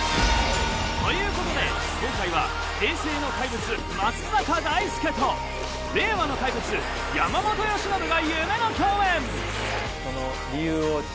ということで今回は平成の怪物松坂大輔と令和の怪物山本由伸が夢の競演。